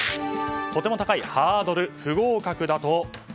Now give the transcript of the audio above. とても高いハードル不合格だと。